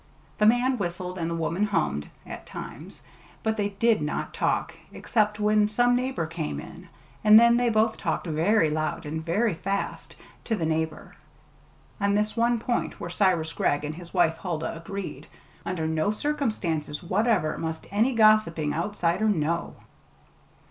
The man whistled, and the woman hummed at times; but they did not talk, except when some neighbor came in; and then they both talked very loud and very fast to the neighbor. On this one point were Cyrus Gregg and his wife Huldah agreed; under no circumstances whatever must any gossiping outsider know.